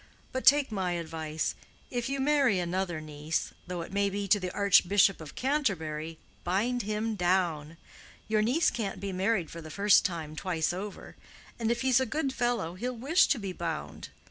But take my advice. If you marry another niece, though it may be to the Archbishop of Canterbury, bind him down. Your niece can't be married for the first time twice over. And if he's a good fellow, he'll wish to be bound.